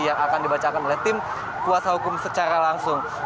yang akan dibacakan oleh tim kuasa hukum secara langsung